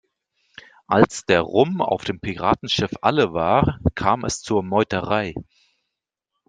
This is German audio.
Als der Rum auf dem Piratenschiff alle war, kam es zur Meuterei.